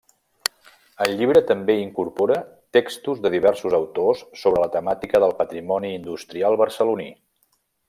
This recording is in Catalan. El llibre també incorpora textos de diversos autors sobre la temàtica del patrimoni industrial barceloní.